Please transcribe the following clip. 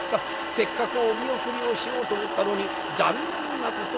せっかくお見送りをしようと思ったのに残念なことをいたしました』